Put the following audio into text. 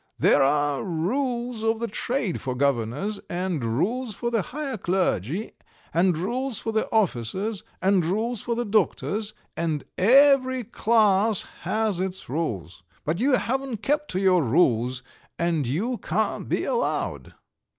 "There are rules of the trade for governors, and rules for the higher clergy, and rules for the officers, and rules for the doctors, and every class has its rules. But you haven't kept to your rules, and you can't be allowed."